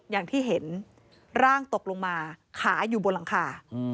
อย่างที่เห็นร่างตกลงมาขาอยู่บนหลังคา